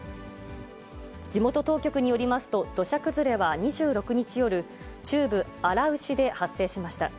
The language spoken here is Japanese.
地元当局によりますと、土砂崩れは２６日夜、中部アラウシで発生しました。